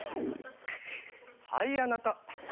はいあなた。